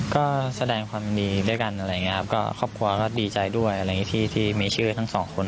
ก็แสดงความดีด้วยกันครอบครัวดีใจด้วยที่ไม่เชื่อทั้งสองคน